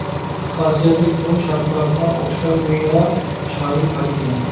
خاسىيەتلىك بۇ شارقىراتما، ئوخشار گويا شايى پەردىگە.